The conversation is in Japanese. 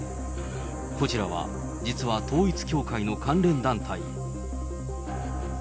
こちらは、実は統一教会の関連団体。